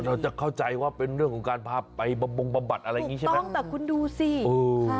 เราจะเข้าใจว่าเป็นเรื่องของการพาไปบำบงบำบัดอะไรอย่างงี้ใช่ไหมแต่คุณดูสิเออ